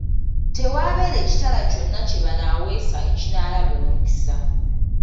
Tewaabeere kitala kyonna kye banaaweesa ekinaalaba omukisa.